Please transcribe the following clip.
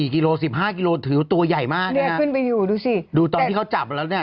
๑๔กิโล๑๕กิโลถือว่าตัวใหญ่มากนะครับดูสิดูตอนที่เขาจับแล้ว